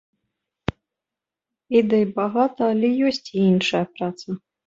Ідэй багата, але ёсць і іншая праца.